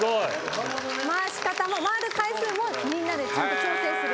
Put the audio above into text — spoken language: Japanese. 回し方も回る回数もみんなでちゃんと調整する。